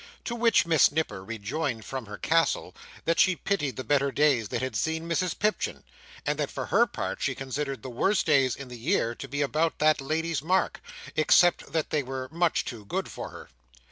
To which Miss Nipper rejoined from her castle, that she pitied the better days that had seen Mrs Pipchin; and that for her part she considered the worst days in the year to be about that lady's mark, except that they were much too good for her.